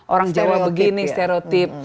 orang jawa begini stereotip